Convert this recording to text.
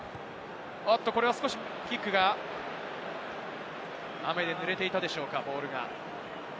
これは少しキックが、雨で濡れていたでしょうか、ボールが。